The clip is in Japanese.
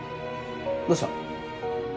どうした？